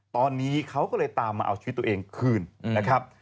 ตอนนี้เขาก็เลยตามมาเอาชีวิตตัวเองคืนนะครับ